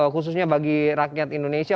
khususnya bagi rakyat indonesia